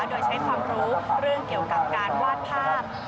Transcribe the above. โดยใช้ความรู้เรื่องเกี่ยวกับการวาดภาพ